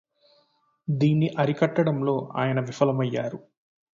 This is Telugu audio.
దీన్ని అరికట్టడంలో ఆయన విఫలమయ్యారు